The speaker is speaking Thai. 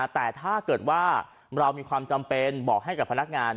แต่ถ้าเกิดว่าเรามีความจำเป็นบอกให้กับพนักงาน